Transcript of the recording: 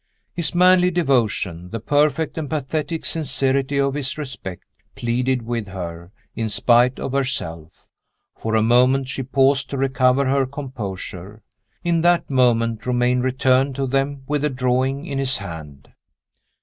His manly devotion, the perfect and pathetic sincerity of his respect, pleaded with her, in spite of herself. For a moment she paused to recover her composure. In that moment Romayne returned to them with the drawing in his hand.